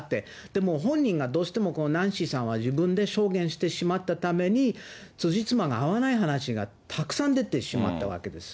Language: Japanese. でも本人がどうしてもこのナンシーさんは自分で証言してしまったために、つじつまが合わない話が、たくさん出てしまったわけです。